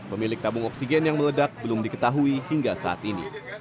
pemilik tabung oksigen yang meledak belum diketahui hingga saat ini